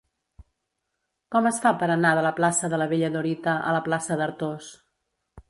Com es fa per anar de la plaça de la Bella Dorita a la plaça d'Artós?